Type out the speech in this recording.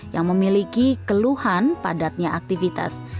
yang memiliki keluhan padatnya aktivitas